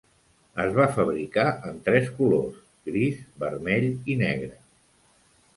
Es va fabricar en tres colors: gris, vermell i negre.